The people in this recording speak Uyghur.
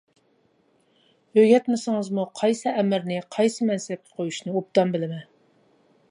ئۆگەتمىسىڭىزمۇ قايسى ئەمىرنى قايسى مەنسەپكە قويۇشنى ئوبدان بىلىمەن.